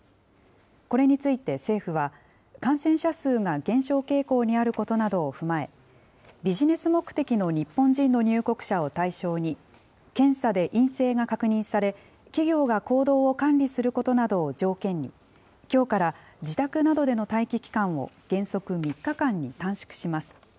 これについて政府は、感染者数が減少傾向にあることなどを踏まえ、ビジネス目的の日本人の入国者を対象に、検査で陰性が確認され、企業が行動を管理することなどを条件に、きょうから自宅などでの待機期間を原則３日間に短縮します。